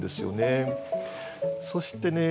そしてね